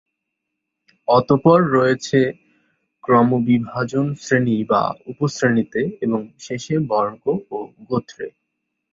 অতঃপর রয়েছে ক্রমবিভাজন শ্রেণী বা উপশ্রেণীতে এবং শেষে বর্গ ও গোত্রে।